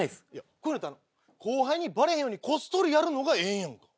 こういうのって後輩にバレへんようにこっそりやるのがええんやんか。